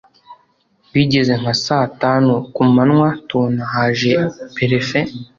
Bigeze nka saa tanu ku manywa tubona haje Perefe